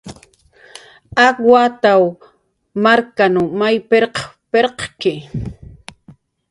Ak wataw marknhan may pirq pirqki